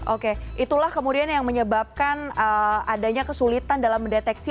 oke itulah kemudian yang menyebabkan adanya kesulitan dalam mendeteksi